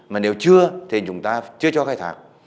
mà nếu chưa thì chúng ta chưa cho khách thạc